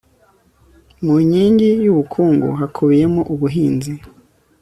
Mu nkingi y ubukungu hakubiyemo ubuhinzi